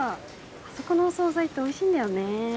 あそこのお総菜っておいしいんだよねぇ。